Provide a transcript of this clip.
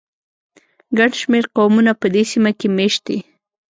ګڼ شمېر قومونه په دې سیمه کې مېشت دي.